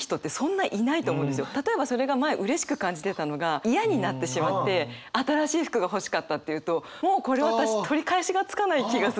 例えばそれが前うれしく感じてたのが嫌になってしまって「新しい服が欲しかった」っていうともうこれ私取り返しがつかない気がするんですね。